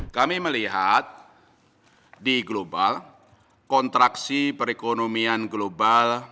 kami melihat di global kontraksi perekonomian global